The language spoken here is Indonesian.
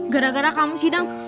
gara gara kamu sih dang